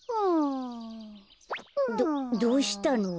どどうしたの？